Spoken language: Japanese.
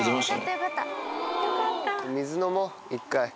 水飲もう一回。